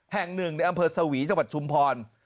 แห่งหนึ่งในอำเภอสวีจังหวัดชุมพร